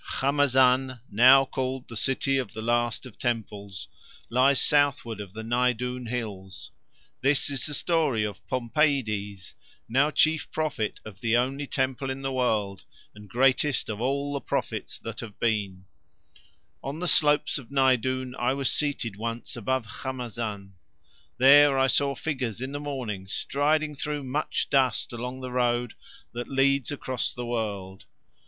Khamazan, now called the City of the Last of Temples, lies southward of the Nydoon hills. This is the story of Pompeides, now chief prophet of the only temple in the world, and greatest of all the prophets that have been: On the slopes of Nydoon I was seated once above Khamazan. There I saw figures in the morning striding through much dust along the road that leads across the world.